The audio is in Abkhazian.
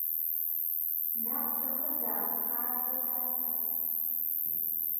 Наҟ шәахыӡаа, адгьыл иақәҳаз…